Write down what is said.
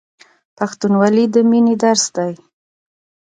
پښتونولي د مینې درس دی.